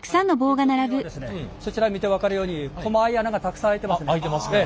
金属にはですねそちら見て分かるようにこまい穴がたくさん開いてますね。